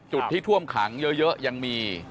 จุดที่ท่วมขังเยอะยังมี